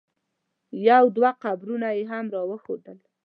یو دوه قبرونه یې هم را وښودل.